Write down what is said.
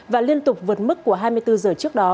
và liên tục vượt mức của hai mươi bốn giờ trước đó